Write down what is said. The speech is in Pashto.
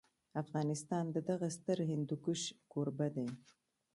افغانستان د دغه ستر هندوکش کوربه دی.